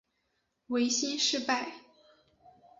维新事败。